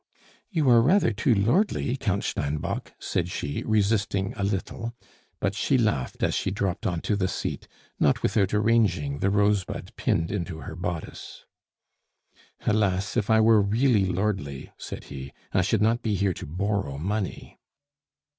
"You are rather too lordly, Count Steinbock," said she, resisting a little. But she laughed as she dropped on to the seat, not without arranging the rosebud pinned into her bodice. "Alas! if I were really lordly," said he, "I should not be here to borrow money."